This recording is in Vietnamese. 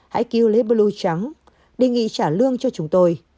hãy cứu lấy blue trắng